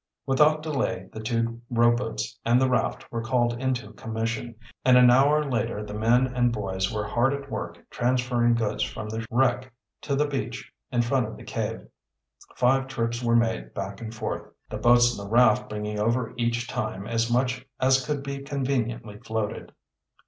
Without delay the two rowboats and the raft were called into commission, and an hour later the men and boys were hard at work transferring goods from the wreck to the beach in front of the cave. Five trips were made back and forth, the boats and the raft bringing over each, time as much as could be conveniently floated.